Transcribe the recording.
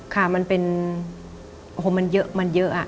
ค่ะมันเป็นโอ้โหมันเยอะมันเยอะอะ